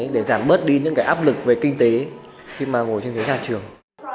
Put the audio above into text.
để giảm bớt đi những áp lực về kinh tế khi mà ngồi trên phía nhà trường